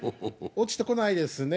落ちてこないですね。